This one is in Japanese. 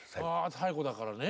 最後だからね。